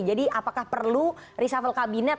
jadi apakah perlu reshuffle kabinet